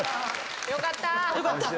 よかった！